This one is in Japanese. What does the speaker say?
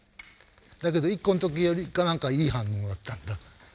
だけど１個の時よりかは何かいい反応だったんだ。